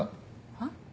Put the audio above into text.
はっ？